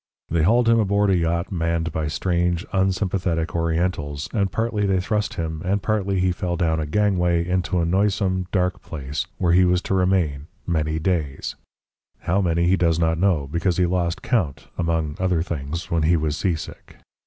They hauled him aboard a yacht manned by strange, unsympathetic Orientals, and partly they thrust him and partly he fell down a gangway into a noisome, dark place, where he was to remain many days how many he does not know, because he lost count among other things when he was seasick.